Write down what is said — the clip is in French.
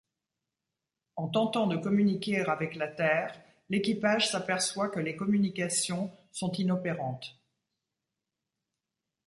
En tentant de communiquer avec la Terre, l'équipage s'aperçoit que les communications sont inopérantes.